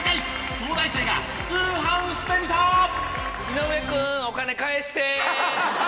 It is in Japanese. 井上君お金返して！